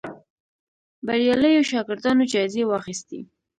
بریالیو شاګردانو جایزې واخیستې